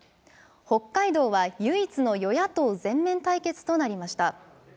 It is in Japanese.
北海道は唯一の与野党全面対決となりました。